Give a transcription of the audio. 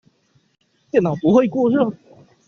電腦不會過熱